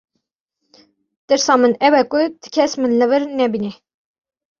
Tirsa min ew e ku ti kes min li vir nebîne.